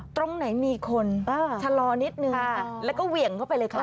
ตรงไหนมีคนชะลอนิดนึงแล้วก็เหวี่ยงเข้าไปเลยค่ะ